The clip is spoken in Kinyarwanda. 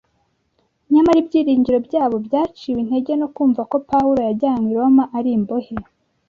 Nyamara ibyiringiro byabo byaciwe intege no kumva ko Pawulo yajyanywe i Roma ari imbohe